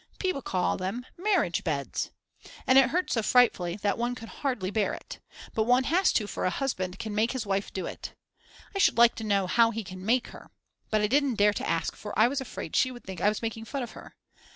People call them marriage beds!!! And it hurts so frightfully that one can hardly bear it. But one has to for a husband can make his wife do it. I should like to know how he can make her. But I didn't dare to ask for I was afraid she would think I was making fun of her.